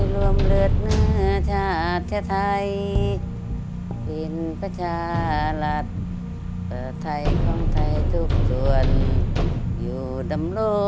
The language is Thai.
ลืมหมดแล้วค่ะ